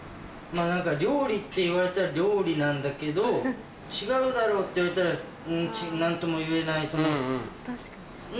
料理って言われたら料理なんだけど違うだろって言われたら何とも言えないその。